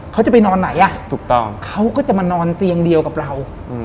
เขาจะไปนอนไหนอ่ะถูกต้องเขาก็จะมานอนเตียงเดียวกับเรา